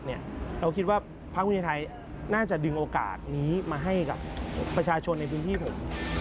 เราคิดว่าพักภูมิใจไทยน่าจะดึงโอกาสนี้มาให้กับประชาชนในพื้นที่ผม